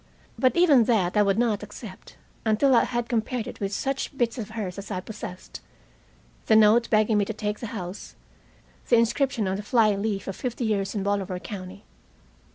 But even that I would not accept, until I had compared it with such bits of hers as I possessed, the note begging me to take the house, the inscription on the fly leaf of "Fifty Years in Bolivar County."